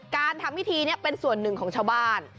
การทำพิธีนี้เป็นส่วนหนึ่งของชาวบ้าน